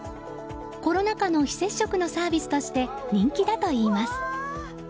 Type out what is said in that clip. コロナ禍の非接触のサービスとして人気だといいます。